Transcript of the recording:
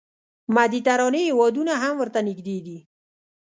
مدیترانې هېوادونه هم ورته نږدې دي.